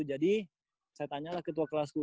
jadi saya tanyalah ketua kelasku